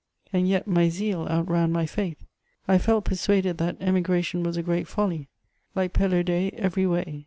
And yet, my zeal outran my faith ; I felt persuaded that emigration was a great folly; "like Pelaud6 every way